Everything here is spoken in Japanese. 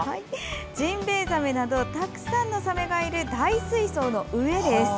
ジンベエザメなどたくさんのサメがいる大水槽の上。